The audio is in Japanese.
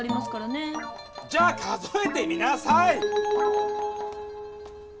じゃあ数えてみなさい！